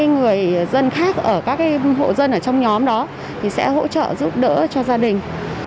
người dân khác ở các hộ dân ở trong nhóm đó sẽ hỗ trợ giúp đỡ cho gia đình